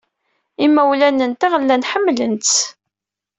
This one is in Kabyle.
Imawlan-nteɣ llan ḥemmlen-tt.